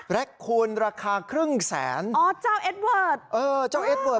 คูณราคาครึ่งแสนอ๋อเจ้าเอสเวิร์ดเออเจ้าเอสเวิร์ด